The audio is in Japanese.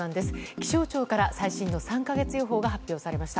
気象庁から最新の３か月予報が発表されました。